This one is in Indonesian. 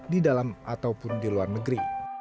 di dalam ataupun di luar negeri